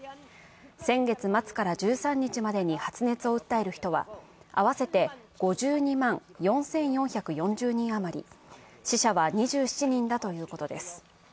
先月末から１３日までに発熱を訴える人は合わせて５２万４４４０人余り、死者は２７人だということです。